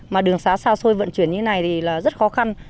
mà đường xá xôi vận chuyển như thế này thì rất khó khăn